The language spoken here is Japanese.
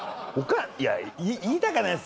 いや言いたかないです